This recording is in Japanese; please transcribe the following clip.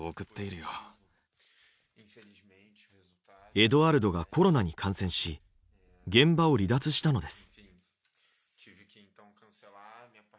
エドアルドがコロナに感染し現場を離脱したのです。